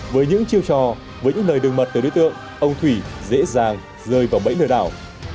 với những chiêu trò với những lời đừng mật từ đối tượng ông thủy dễ dàng rơi vào bẫy lừa đảo